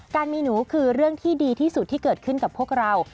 การมีหนูคือเรื่องที่ดีที่สุดที่เกิดขึ้นกับพวกเรา